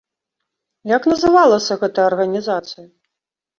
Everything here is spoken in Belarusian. Як называлася гэта арганізацыя?